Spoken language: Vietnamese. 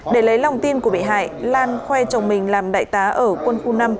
để lấy lòng tin của bị hại lan khoe chồng mình làm đại tá ở quân khu năm